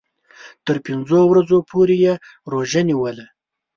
تر پنځو ورځو پوري یې روژه ونیوله.